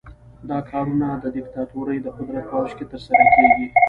دا کارونه د دیکتاتورۍ د قدرت په اوج کې ترسره کیږي.